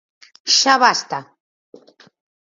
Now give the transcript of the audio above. ¡Xa basta!